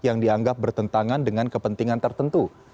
yang dianggap bertentangan dengan kepentingan tertentu